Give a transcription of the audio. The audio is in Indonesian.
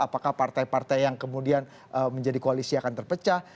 apakah partai partai yang kemudian menjadi koalisi akan terpecah